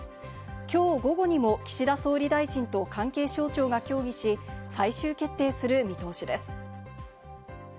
きょう午後にも岸田総理大臣と関係省庁が協議し、最終決定する見通しです。